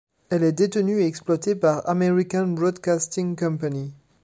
Elle est détenue et exploitée par American Broadcasting Company.